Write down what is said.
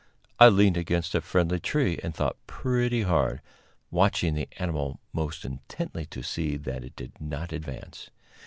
I leaned against a friendly tree and thought pretty hard, watching the animal most intently to see that it did not advance.